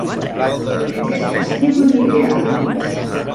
Aquest estiu aniré a Arnes